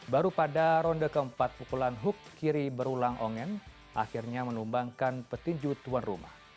baru pada ronde keempat pukulan huk kiri berulang ongen akhirnya menumbangkan petinju tuan rumah